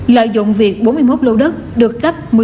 lợi dụng việc bốn mươi một lô đất được cấp